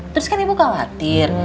terus kan ibu khawatir